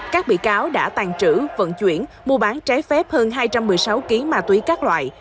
các bị cáo đã tàn trữ vận chuyển mua bán trái phép hơn hai trăm một mươi sáu kg ma túy các loại